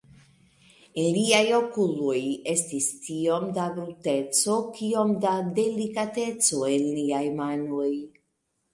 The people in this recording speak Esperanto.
En liaj okuloj estis tiom da bruteco, kiom da delikateco en liaj manoj.